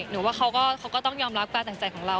หนูว่าเขาก็ต้องยอมรับประจักษ์ใจของเรา